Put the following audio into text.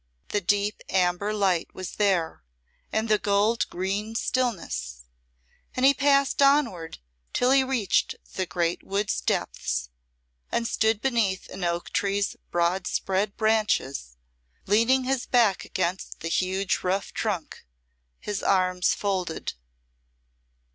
The deep amber light was there, and the gold green stillness, and he passed onward till he reached the great wood's depths, and stood beneath an oak tree's broad spread branches, leaning his back against the huge rough trunk, his arms folded.